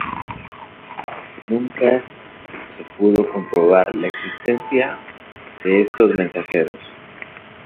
Nunca se pudo comprobar la existencia de estos mensajeros.